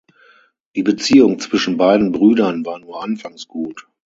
Die Beziehung zwischen beiden Brüdern war nur anfangs gut.